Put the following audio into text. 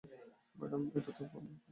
Madam, এটা তো ফল ধরার মৌসুম।